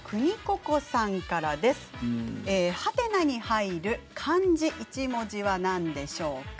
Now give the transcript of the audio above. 「？」に入る漢字一文字は何でしょうか。